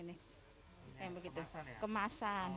yang begitu kemasan